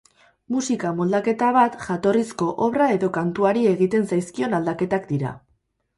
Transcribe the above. Musika moldaketa bat, jatorrizko obra edo kantuari egiten zaizkion aldaketak dira.